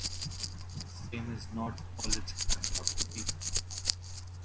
Fame is not all it's cracked up to be.